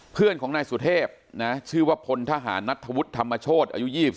เพื่อนของนายสุเทพชื่อว่าพลทหารนัทธวุฒิธรรมโชธอายุ๒๒